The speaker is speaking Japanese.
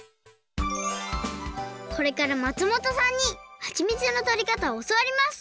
これから松本さんにはちみつのとりかたをおそわります